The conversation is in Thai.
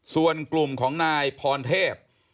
ส่วนกลุ่มของนายพรเทพ